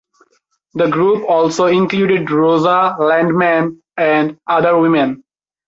The group also included Rosa Lindemann and other women.